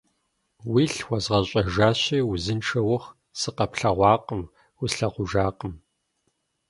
Уилъ уэзгъэщӀэжащи, узыншэ ухъу, сыкъэплъэгъуакъым, услъэгъужакъым.